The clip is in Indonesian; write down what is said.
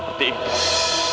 bertiga keji seperti ini